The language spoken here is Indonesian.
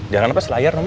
jalan apa selayar nomor